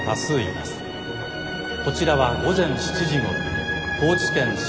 こちらは午前７時ごろ高知県潮